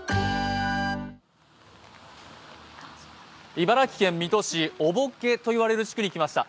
茨城県水戸市尾木毛と呼ばれる地区に来ました。